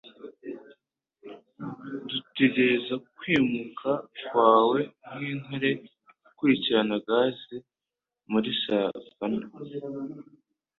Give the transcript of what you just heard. dutegereza kwimuka kwawe nkintare ikurikirana gazel muri savannah.